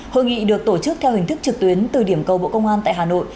hội nghị được tổ chức theo hình thức trực tuyến từ điểm cầu bộ công an tại hà nội